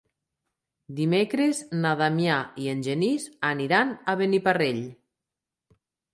Dimecres na Damià i en Genís aniran a Beniparrell.